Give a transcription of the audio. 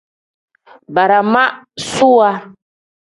Baramaasuwa.